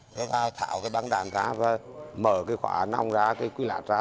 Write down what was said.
rồi ta thảo cái bắn đạn ra và mở cái khóa nòng ra cái quy lạc ra